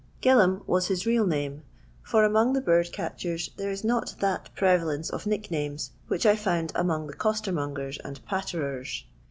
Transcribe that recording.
Gilham was his real name, for among the bird catchers there is not that prevalence of nicknames which I found among the costermougers and patterers.